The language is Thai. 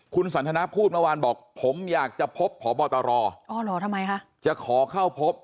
คุณสันทนาพูดเมื่อวานบอกผมอยากจะพบพบตรออ๋อเหรอทำไมคะจะขอเข้าพบ